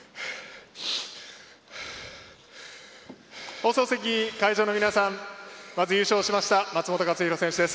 放送席、会場の皆さんまず優勝しました松元克央選手です。